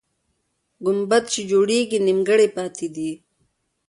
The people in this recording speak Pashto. ګمبد چې جوړېږي، نیمګړی پاتې دی.